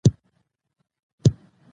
هغه ټنډه غالبوزه ډیره زهری ده.